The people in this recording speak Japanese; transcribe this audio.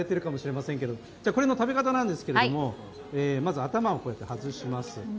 これの食べ方なんですけど、まず頭を外します。